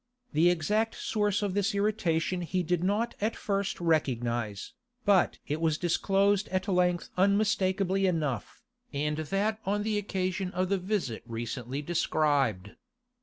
The exact source of this irritation he did not at first recognise, but it was disclosed at length unmistakably enough, and that on the occasion of the visit recently described.